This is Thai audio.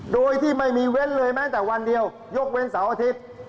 โดยที่ไม่มีเว้นเลยแม้แต่วันเดียวยกเว้นเสาร์อาทิตย์